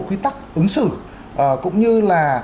khuy tắc ứng xử cũng như là